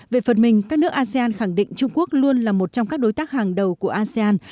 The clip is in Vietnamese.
về phần mình các nước asean khẳng định trung quốc luôn là một trong các đối tác hàng đầu của asean